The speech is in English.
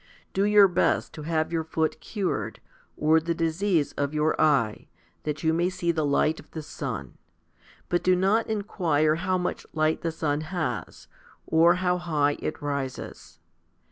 Do your best to have your foot cured, or the disease of your eye, that you may see the light of the sun, but do not enquire how much light the sun has, or how high it rises.